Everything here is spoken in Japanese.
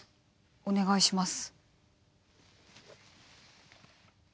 お願いします。